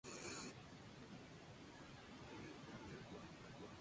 El resultado es redondeado con seis decimales.